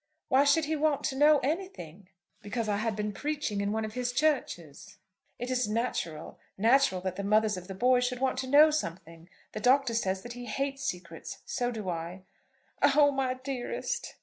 "Why should he want to know anything?" "Because I have been preaching in one of his churches. It is natural; natural that the mothers of the boys should want to know something. The Doctor says that he hates secrets. So do I." "Oh, my dearest!"